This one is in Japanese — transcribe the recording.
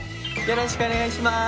よろしくお願いします！